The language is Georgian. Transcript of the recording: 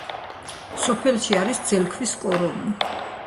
სოფელში არის ძელქვის კორომი.